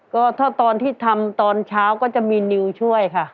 ก็ถ้าตอนที่ทำตอนเช้าก็จะมีนิวช่วยค่ะ